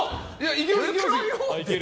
いける。